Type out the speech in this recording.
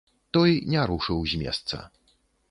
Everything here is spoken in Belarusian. Той не рушыў з месца.